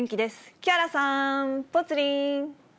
木原さん、ぽつリン。